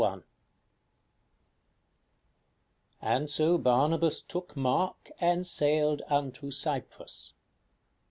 "And so Barnabas took Mark, and sailed unto Cyprus."